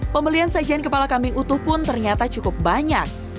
pembelian sajian kepala kambing utuh pun ternyata cukup banyak